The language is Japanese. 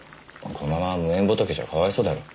このまま無縁仏じゃかわいそうだろ。